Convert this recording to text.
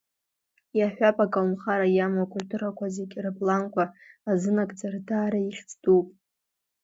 Иаҳҳәап, аколнхара иамоу акультурақәа зегьы рыплан-қәа азынагӡар, даара ихьӡ дууп.